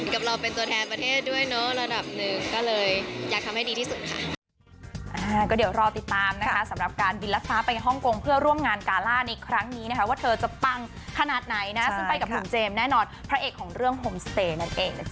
กับเราเป็นตัวแทนประเทศด้วยเนอะระดับหนึ่งก็เลยอยากทำให้ดีที่สุดค่ะ